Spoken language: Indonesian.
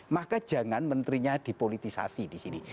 maka jangan menterinya dipolitisasi di sini